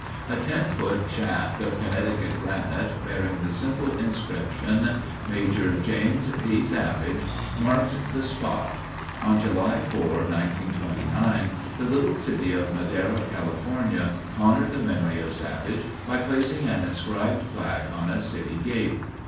A ten foot shaft of Connecticut granite, bearing the simple inscription, "Maj. Jas. D. Savage," marks the spot. On July 4, 1929, the little city of Madera, California, honored the memory of Savage by placing an inscribed plaque on a city gate.